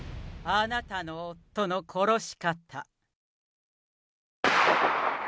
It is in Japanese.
あなたの夫の殺し方。